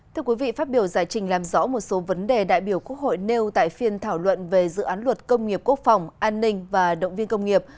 thưa quý vị phát biểu giải trình làm rõ một số vấn đề đại biểu quốc hội nêu tại phiên thảo luận về dự án luật công nghiệp quốc phòng an ninh và động viên công nghiệp